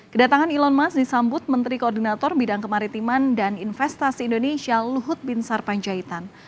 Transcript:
kedatangan elon musk disambut menteri koordinator bidang kemaritiman dan investasi indonesia luhut bin sarpanjaitan